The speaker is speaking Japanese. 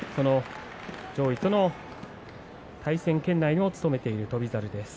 上位との対戦圏内も務めている翔猿です。